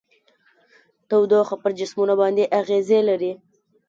تودوخه پر جسمونو باندې اغیزې لري.